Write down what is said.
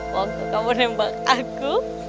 waktu kamu nembak aku